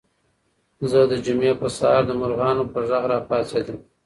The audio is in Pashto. زه د جمعې په سهار د مرغانو په غږ راپاڅېدم.